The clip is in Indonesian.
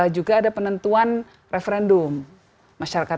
juga ada penentuan referendum masyarakat